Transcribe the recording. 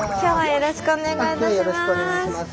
よろしくお願いします。